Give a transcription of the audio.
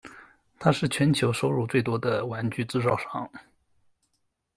它是全球收入最多的玩具制造商。